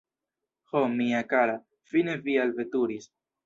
Ho, mia kara, fine vi alveturis!